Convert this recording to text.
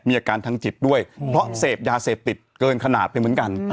มีอาการทางจิตด้วยเพราะเสพยาเสพติดเกินขนาดไปเหมือนกัน